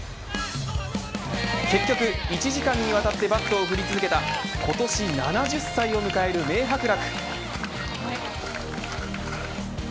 結局１時間にわたってバットを振り続けた今年７０歳を迎える名伯楽。